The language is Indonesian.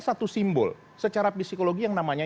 satu simbol secara psikologi yang namanya